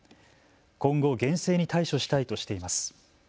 今後厳正に対処したいとしています。